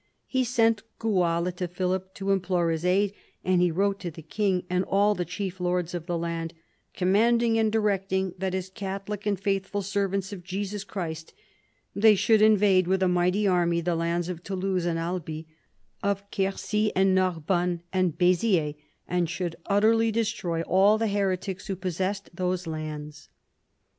He sent Guala to Philip to implore his aid, and he wrote to the king and all the chief lords of the land, "commanding and directing that as catholic and faithful servants of Jesus Christ they should invade with a mighty army the lands of Toulouse and Albi, of Quercy and Narbonne and Beziers, and should utterly destroy all the heretics who possessed those lands."